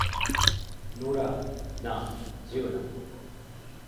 Nora, না, যেও না।